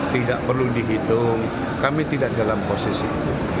tidak perlu dihitung kami tidak dalam posisi itu